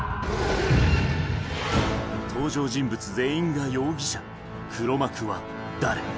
登場人物全員が容疑者黒幕は誰？